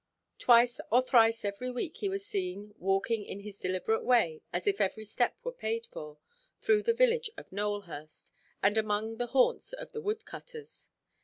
Twice or thrice every week he was seen, walking in his deliberate way, as if every step were paid for, through the village of Nowelhurst, and among the haunts of the woodcutters.